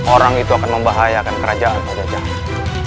orang itu akan membahayakan kerajaan pada zaman